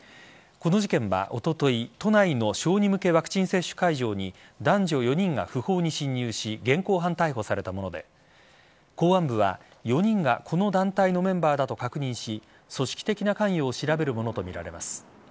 この事件はおととい都内の小児向けワクチン接種会場に男女４人が不法に侵入し現行犯逮捕されたもので公安部は４人がこの団体のメンバーだと確認し組織的な関与を調べるものとみられます。